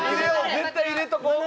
絶対入れとこう。